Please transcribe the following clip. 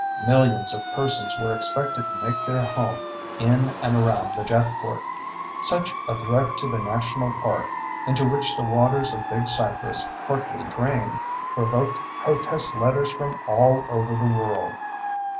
Millions of persons were expected to make their home in and around the jetport. Such a threat to the national park, into which the waters of Big Cypress partly drain, provoked protest letters from all over the world.